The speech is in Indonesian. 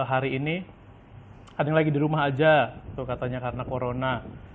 hari ini ada yang lagi di rumah aja tuh katanya karena corona